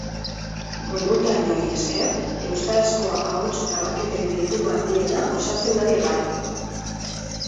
Boluntarioei esker euskarazko ahots grabaketen bilduma handiena osatzen ari gara.